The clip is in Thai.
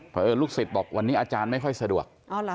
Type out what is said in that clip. เพราะเอิญลูกศิษย์บอกวันนี้อาจารย์ไม่ค่อยสะดวก